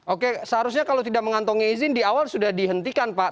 oke seharusnya kalau tidak mengantongi izin di awal sudah dihentikan pak